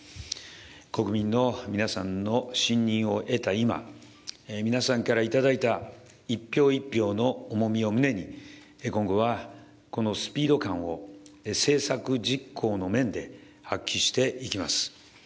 国民の皆さんの信任を得た今、皆さんから頂いた一票一票の重みを胸に、今後は、このスピード感を政策実行の面で発揮していきます。